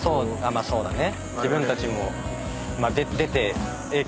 そうだね。